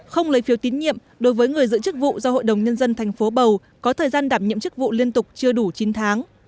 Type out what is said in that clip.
không lấy phiếu tín nhiệm đối với người giữ chức vụ do hội đồng nhân dân tp bầu có thời gian đảm nhiệm chức vụ liên tục chưa đủ chín tháng